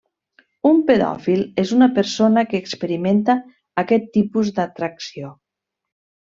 Un pedòfil és una persona que experimenta aquest tipus d'atracció.